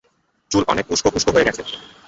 চুল অনেক উশকো-খুশকো হয়ে গেছে।